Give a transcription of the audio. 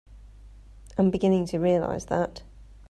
I'm beginning to realize that.